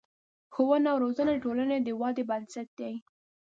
ښوونه او روزنه د ټولنې د ودې بنسټ دی.